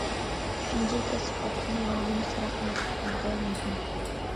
ئۈچىنچى كەسىپ ئاپتونوم رايونىمىز تەرەققىياتىدا ئىنتايىن مۇھىم.